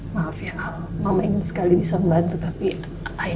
maaf ya mama mama ingin sekali bisa membantu tapi